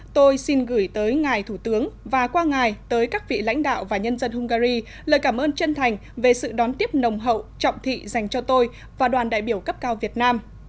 tôi xin gửi tới ngài thủ tướng và qua ngài tới các vị lãnh đạo và nhân dân hungary lời cảm ơn chân thành về sự đón tiếp nồng hậu trọng thị dành cho tôi và đoàn đại biểu cấp cao việt nam